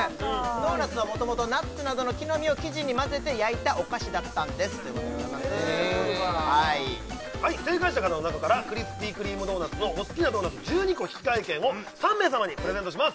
ドーナツはもともとナッツなどの木の実を生地に混ぜて焼いたお菓子だったんですということでございます正解した方の中からクリスピー・クリーム・ドーナツのお好きなドーナツ１２個引換券を３名様にプレゼントします